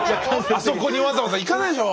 あそこにわざわざ行かないでしょ。